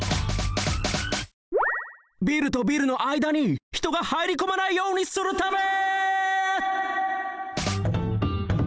ビルとビルのあいだにひとがはいりこまないようにするため！